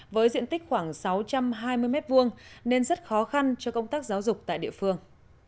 với diện tích khoảng sáu trăm hai mươi m hai nên rất khó khăn cho công tác giáo dục tại địa phương